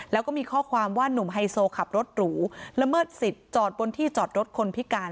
แล้วก็มีข้อความว่านุ่มไฮโซขับรถหรูละเมิดสิทธิ์จอดบนที่จอดรถคนพิการ